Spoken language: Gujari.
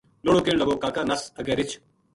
لُڑو کہن لگو کاکا نَس اَگے رِچھ